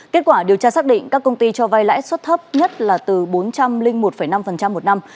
kết quả điều tra xác định các công ty cho vay lãi suất thấp nhất là từ bốn trăm linh một năm một năm